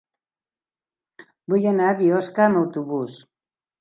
Vull anar a Biosca amb autobús.